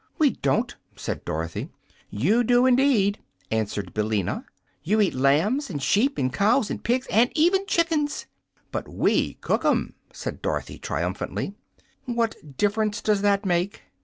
"We don't!" said Dorothy. "You do, indeed," answered Billina. "You eat lambs and sheep and cows and pigs and even chickens." "But we cook 'em," said Dorothy, triumphantly. "What difference does that make?"